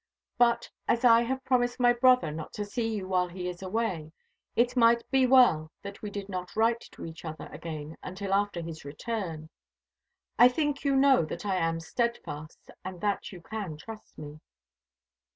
But as I have promised my brother not to see you while he is away, it might be well that we did not write to each other again until after his return. I think you know that I am steadfast, and that you can trust me."